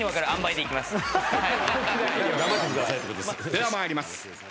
では参ります。